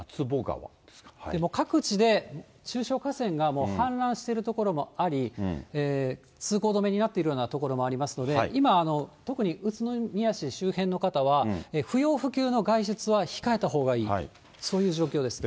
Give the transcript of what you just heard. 各地で中小河川が氾濫してる所もあり、通行止めになっているような所もありますので、今、特に宇都宮市周辺の方は、不要不急の外出は控えたほうがいい、そういう状況ですね。